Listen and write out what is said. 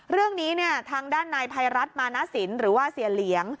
เรื่องนี้ทางด้านในภัยรัฐมานาศิลป์หรือว่าเสียเหลียง